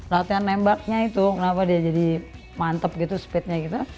latihan nembaknya itu kenapa dia jadi mantep gitu speednya gitu